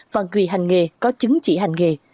và người hành nghề có chứng chỉ hành nghề